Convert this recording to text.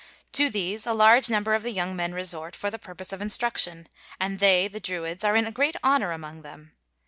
To these a large number of the young men resort for the purpose of instruction, and they [the Druids] are in great honor among them.